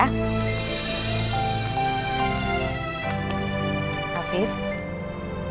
afif bener gak apa apa